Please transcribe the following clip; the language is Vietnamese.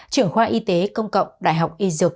trưởng khoa y tế công cộng đại học y dược